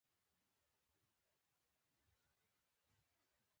ایا خواړه مو هضمیږي؟